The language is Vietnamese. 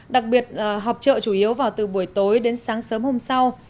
đặc biệt họp chợ chủ yếu vào từ buổi tối đến sáng sớm hôm sau